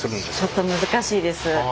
ちょっと難しいです。